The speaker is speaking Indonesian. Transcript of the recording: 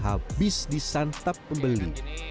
habis disantap pembeli